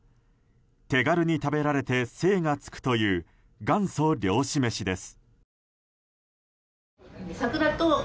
手軽に食べられて精がつくという元祖・漁師めしです。